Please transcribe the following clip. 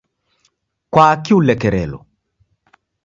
Kwaki ulekerelo?